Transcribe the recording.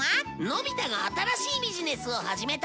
のび太が新しいビジネスを始めた？